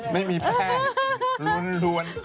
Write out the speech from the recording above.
ไม่มีแฟนรวน